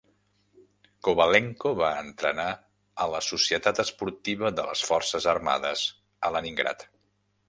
Kovalenko va entrenar a la societat esportiva de les Forces Armades a Leningrad.